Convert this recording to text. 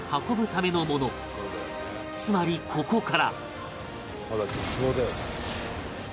つまりここから